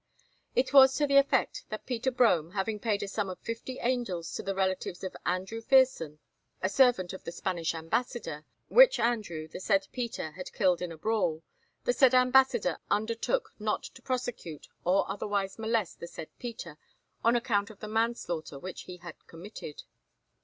It was to the effect that Peter Brome, having paid a sum of fifty angels to the relatives of Andrew Pherson, a servant of the Spanish ambassador, which Andrew the said Peter had killed in a brawl, the said ambassador undertook not to prosecute or otherwise molest the said Peter on account of the manslaughter which he had committed.